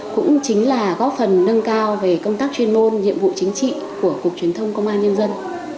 cũng chính là góp phần nâng cao về công tác chuyên môn nhiệm vụ chính trị của cục truyền thông công an nhân dân